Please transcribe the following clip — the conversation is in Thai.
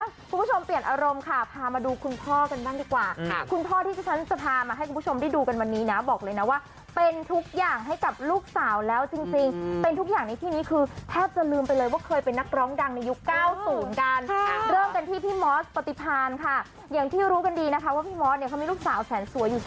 คุณผู้ชมเปลี่ยนอารมณ์ค่ะพามาดูคุณพ่อกันบ้างดีกว่าค่ะคุณพ่อที่ที่ฉันจะพามาให้คุณผู้ชมได้ดูกันวันนี้นะบอกเลยนะว่าเป็นทุกอย่างให้กับลูกสาวแล้วจริงจริงเป็นทุกอย่างในที่นี้คือแทบจะลืมไปเลยว่าเคยเป็นนักร้องดังในยุค๙๐กันเริ่มกันที่พี่มอสปฏิพานค่ะอย่างที่รู้กันดีนะคะว่าพี่มอสเนี่ยเขามีลูกสาวแสนสวยอยู่